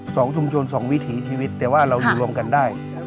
สองชุมชนสองวิถีชีวิตแต่ว่าเราอยู่รวมกันได้